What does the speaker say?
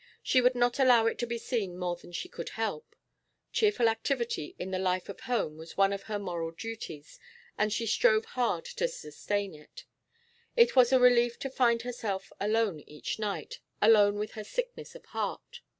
She would not allow it to be seen more than she could help; cheerful activity in the life of home was one of her moral duties, and she strove hard to sustain it. It was a relief to find herself alone each night, alone with her sickness of heart.